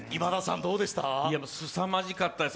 すさまじかったです